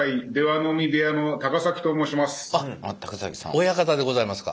あっ親方でございますか？